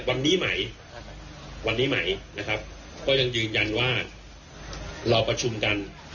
วันนี้ไหมวันนี้ไหมนะครับก็ยังยืนยันว่าเราประชุมกัน